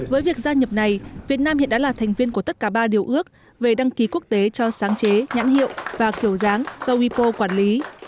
với việc gia nhập này việt nam hiện đã là thành viên của tất cả ba điều ước về đăng ký quốc tế cho sáng chế nhãn hiệu và kiểu dáng do wipo quản lý